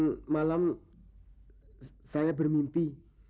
dan malam saya bermimpi